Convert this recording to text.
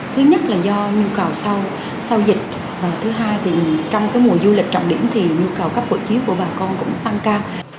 thứ nhất là do nhu cầu sau dịch thứ hai thì trong mùa du lịch trọng điểm thì nhu cầu cấp hộ chiếu của bà con cũng tăng cao